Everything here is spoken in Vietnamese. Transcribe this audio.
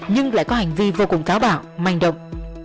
nhưng lại có hành vi vô cùng tháo bảo manh động